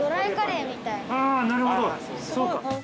ああなるほどそうか。